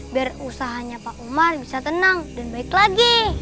biar usahanya pak umar bisa tenang dan baik lagi